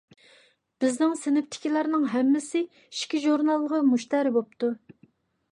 بىزنىڭ سىنىپتىكىلەرنىڭ ھەممىسى ئىككى ژۇرنالغا مۇشتەرى بوپتۇ.